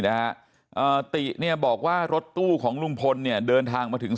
นะฮะอ่าติเนี่ยบอกว่ารถตู้ของลุงพลเนี่ยเดินทางมาถึง